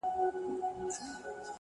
علم د انسان وړتیا لوړوي!